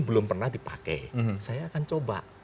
belum pernah dipakai saya akan coba